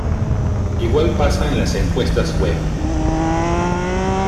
Igual pasa en las encuestas web.